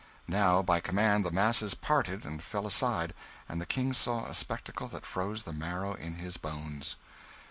Now, by command, the masses parted and fell aside, and the King saw a spectacle that froze the marrow in his bones.